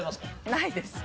ないです。